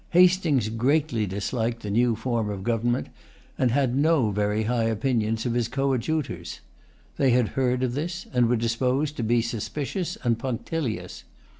Hastings greatly disliked the new form of government, and had no very high opinion of his coadjutors. They had heard of this, and were disposed to be suspicious and punctilious.